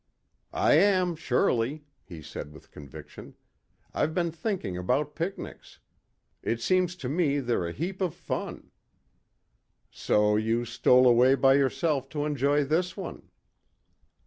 "I am, surely," he said with conviction. "I've been thinking about picnics. It seems to me they're a heap of fun " "So you stole away by yourself to enjoy this one."